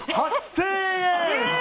８０００円！